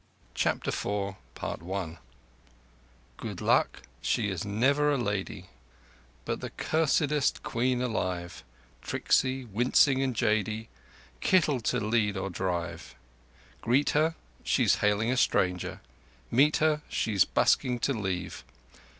CHAPTER IV Good Luck, she is never a lady, But the cursedest quean alive, Tricksy, wincing, and jady— Kittle to lead or drive. Greet her—she's hailing a stranger! Meet her—she's busking to leave!